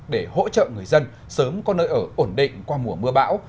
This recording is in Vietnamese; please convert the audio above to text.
để hỗ trợ người dân sớm có nơi ở ổn định qua mùa mưa bão